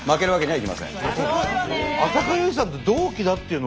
はい。